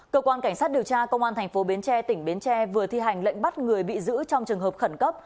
cơ quan cảnh sát điều tra công an tp bến tre tỉnh bến tre vừa thi hành lệnh bắt người bị giữ trong trường hợp khẩn cấp